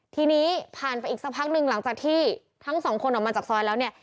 ทีนี้ผ่านไปอีกสักพักหนึ่งหลังจากที่ทั้งสองคนออกมาจากซอยแล้วเนี่ย